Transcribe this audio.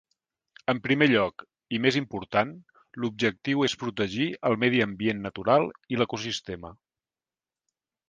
En primer lloc, i més important, l'objectiu és protegir el medi ambient natural i l'ecosistema.